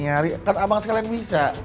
nyari kan abang sekalian bisa